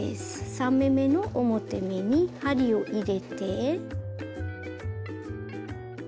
３目めの表目に針を入れてかぶせます。